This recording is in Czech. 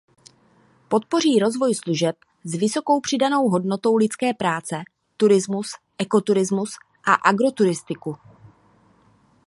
Podpoří rozvoj služeb s vysokou přidanou hodnotou lidské práce, turismus, ekoturistiku a agroturistiku.